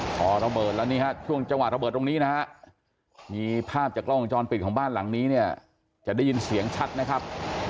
พอระเบิดแล้วนี่ฮะช่วงจังหวะระเบิดตรงนี้นะฮะมีภาพจากกล้องวงจรปิดของบ้านหลังนี้เนี่ยจะได้ยินเสียงชัดนะครับ